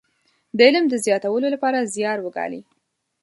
د علم د زياتولو لپاره زيار وګالي.